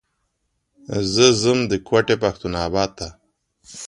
زه ځم د کوتي پښتون اباد ته.